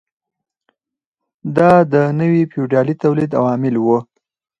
دا د نوي فیوډالي تولید عوامل وو.